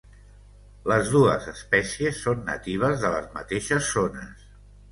Les dues espècies són natives de les mateixes zones.